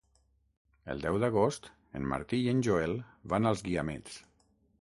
El deu d'agost en Martí i en Joel van als Guiamets.